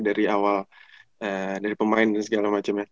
dari awal dari pemain dan segala macem ya